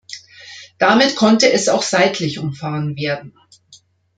Damit konnte es auch seitlich umfahren werden.